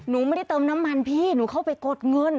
หนูไม่ได้เติมน้ำมันพี่หนูเข้าไปกดเงิน